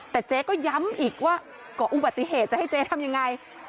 แต่เจ๊ก็ย้ำอีกว่าก่ออุบัติเหตุจะให้เจ๊ทำยังไง